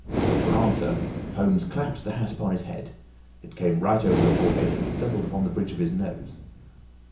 For answer Holmes clapped the hat upon his head. It came right over the forehead and settled upon the bridge of his nose.